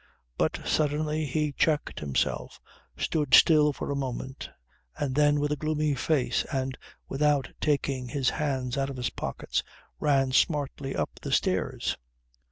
But suddenly he checked himself, stood still for a moment, then with a gloomy face and without taking his hands out of his pockets ran smartly up the stairs.